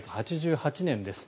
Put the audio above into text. １９８８年です。